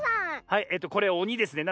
はいえとこれおにですね。